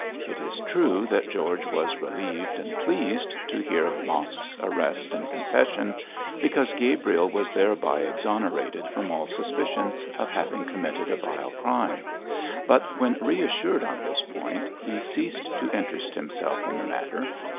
It is true that George was relieved and pleased to hear of Mosk's arrest and confession, because Gabriel was thereby exonerated from all suspicion of having committed a vile crime; but when reassured on this point, he ceased to interest himself in the matter.